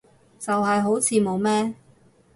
就係好似冇咩